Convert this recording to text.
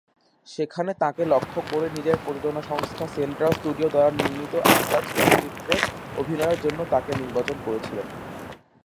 সেখানে তাঁকে লক্ষ্য করে নিজের প্রযোজনা সংস্থা সেন্ট্রাল স্টুডিও দ্বারা নির্মিত "আন্দাজ" চলচ্চিত্রে অভিনয়ের জন্য তাঁকে নির্বাচন করেছিলেন।